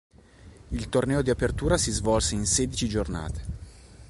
Il torneo di Apertura si svolse in sedici giornate.